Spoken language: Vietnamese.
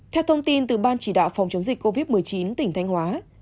theo thông tin từ ban chỉ đạo phòng chống dịch covid một mươi chín tỉnh thanh hóa